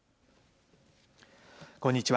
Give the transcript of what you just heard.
こんにちは。